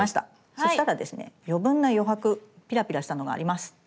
そしたらですね余分な余白ピラピラしたのがあります。